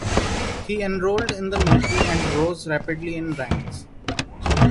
He enrolled in the military and rose rapidly in ranks.